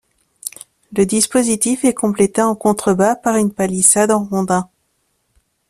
Le dispositif est complété en contrebas par une palissade en rondins.